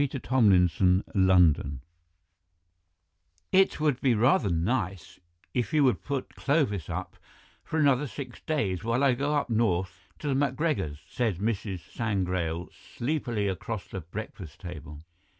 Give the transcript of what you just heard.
THE STAMPEDING OF LADY BASTABLE "It would be rather nice if you would put Clovis up for another six days while I go up north to the MacGregors'," said Mrs. Sangrail sleepily across the breakfast table.